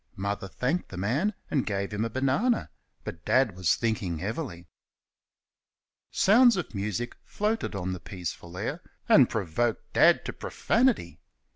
Mother thanked the man and gave him a banana, but Dad was thinking heavily. Sounds of music floated on the peaceful air and provoked Dad to profanity.